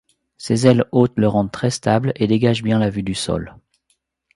Ses ailes hautes le rendent très stable et dégagent bien la vue du sol.